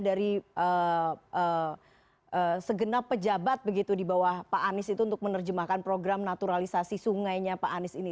dari segenap pejabat begitu di bawah pak anies itu untuk menerjemahkan program naturalisasi sungainya pak anies ini